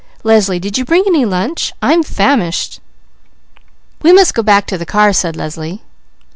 Leslie, did you bring any lunch? I'm famished." "We must go back to the car," said Leslie.